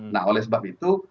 nah oleh sebab itu